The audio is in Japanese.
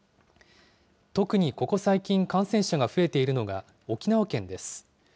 特にここ最近、感染者が増えているのが沖縄県です。